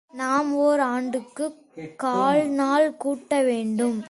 நாம் ஓர் ஆண்டுக்குக் கால்நாள் கூட்டவேண்டும்.